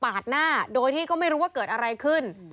หน้าโดยที่ก็ไม่รู้ว่าเกิดอะไรขึ้น